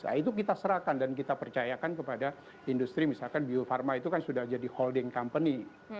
nah itu kita serahkan dan kita percayakan kepada industri misalkan bio farma itu kan sudah jadi holding company